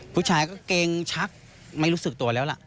ผู้ชายก็เกรงชักไม่รู้สึกตัวแล้วล่ะ